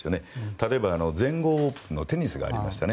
例えば全豪オープンのテニスがありましたよね。